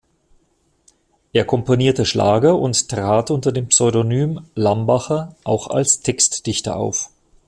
Er komponierte Schlager und trat unter dem Pseudonym "Lambacher" auch als Textdichter auf.